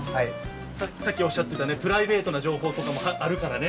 さっきおっしゃっていたプライベートな情報とかもあるからね。